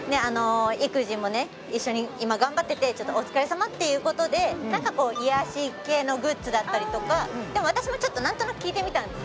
育児もね一緒に今頑張っててお疲れさまっていうことで何か癒やし系のグッズだったりとかでも私もちょっと何となく聞いてみたんです